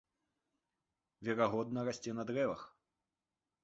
Верагодна, расце на дрэвах.